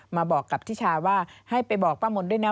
มาบอกกับทิชาว่าให้ไปบอกป้ามนด้วยนะ